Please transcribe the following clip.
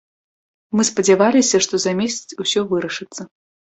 Мы спадзяваліся, што за месяц усё вырашыцца.